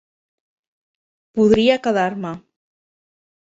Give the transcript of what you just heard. Podria quedar-me.